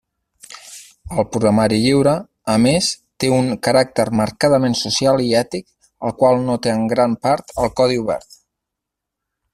El programari lliure, a més, té un caràcter marcadament social i ètic el qual no té en gran part el codi obert.